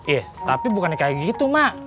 iya tapi bukannya kayak gitu mak